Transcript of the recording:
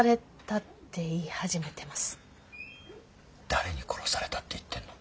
誰に殺されたって言ってんの？